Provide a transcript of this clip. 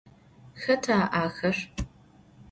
Xeta axer?